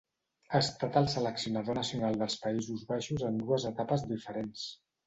Ha estat el seleccionador nacional dels Països Baixos en dues etapes diferents.